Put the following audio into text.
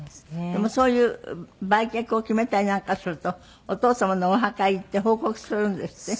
でもそういう売却を決めたりなんかするとお父様のお墓へ行って報告するんですって？